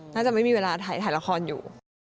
น่าจะไม่มีเวลาถ่ายละครอยู่